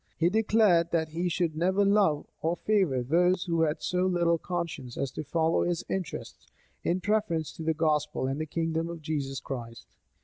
He declared that he should never love or favor those who had so little conscience as to follow his interests, in preference to the gospel and the kingdom of Jesus Christ.